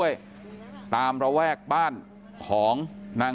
กลุ่มตัวเชียงใหม่